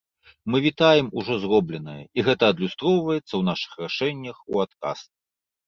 Мы вітаем ужо зробленае, і гэта адлюстроўваецца ў нашых рашэннях у адказ.